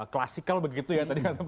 klasikal begitu ya